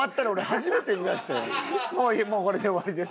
もうこれで終わりです。